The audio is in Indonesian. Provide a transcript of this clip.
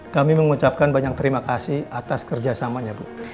kami mengucapkan banyak terima kasih atas kerjasamanya bu